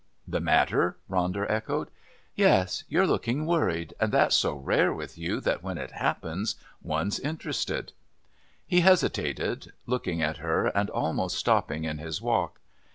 "The matter?" Ronder echoed. "Yes. You're looking worried, and that's so rare with you that when it happens one's interested." He hesitated, looking at her and almost stopping in his walk.